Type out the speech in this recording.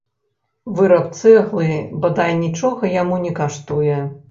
Выраб цэглы бадай нічога яму не каштуе.